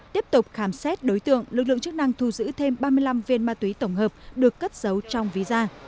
tiếp tục khám xét đối tượng lực lượng chức năng thu giữ thêm ba mươi năm viên ma túy tổng hợp được cất giấu trong ví da